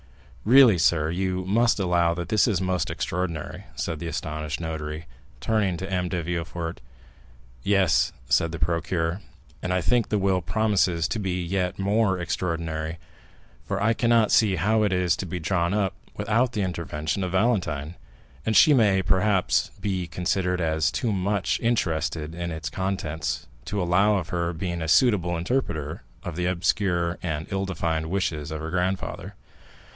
"Really, sir, you must allow that this is most extraordinary," said the astonished notary, turning to M. de Villefort. "Yes," said the procureur, "and I think the will promises to be yet more extraordinary, for I cannot see how it is to be drawn up without the intervention of Valentine, and she may, perhaps, be considered as too much interested in its contents to allow of her being a suitable interpreter of the obscure and ill defined wishes of her grandfather."